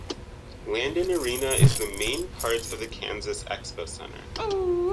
Landon Arena is the main part of the Kansas Expocentre.